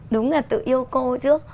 đúng là tự yêu cô trước